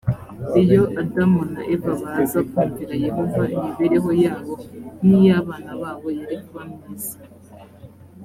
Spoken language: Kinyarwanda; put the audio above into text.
iyo adamu na eva baza kumvira yehova imibereho yabo n’ iy abana babo yari kuba myiza